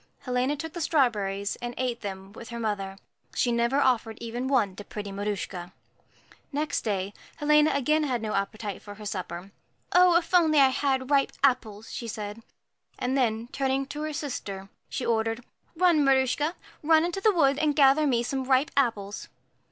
Helena took the strawberries, and ate them with her mother. She never offered even one to pretty Maruschka. Next day, Helena had again no appetite for her supper. 'Oh, if I had only ripe apples!' she said; and then, turning to her sister, she ordered, 'Run, Maruschka, run into the wood and gather me some ripe apples.'